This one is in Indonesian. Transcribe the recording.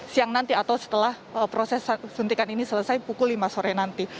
siang nanti atau setelah proses suntikan ini selesai pukul lima sore nanti